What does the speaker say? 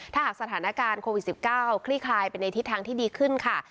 ถ้าหากสถานการณ์โควิด๑๙คลี่คลายไปในทิศทางที่ดีขึ้นค่ะ